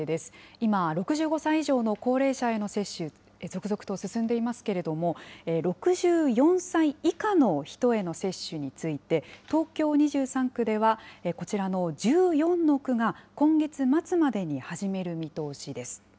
今、６５歳以上の高齢者への接種、続々と進んでいますけれども、６４歳以下の人への接種について、東京２３区では、こちらの１４の区が、今月末までに始める見通しです。